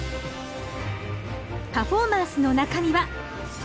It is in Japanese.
パフォーマンスの中身は。